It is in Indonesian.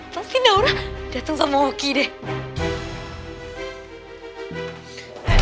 maksudnya naura datang sama oki deh